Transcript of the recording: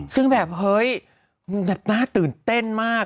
ซึ่งแบบเห้ยหน้าตื่นเต้นมาก